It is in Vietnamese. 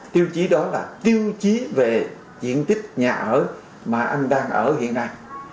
tiêu chí đó là tiêu chí về diện tích nhà ở mà anh đang ở hiện nay